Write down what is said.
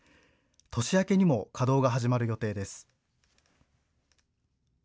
年明けにも稼働が始まる予定です。